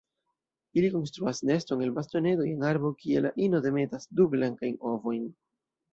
Ili konstruas neston el bastonetoj en arbo kie la ino demetas du blankajn ovojn.